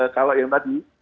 kalau yang tadi